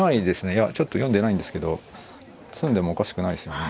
いやちょっと読んでないんですけど詰んでもおかしくないですよね。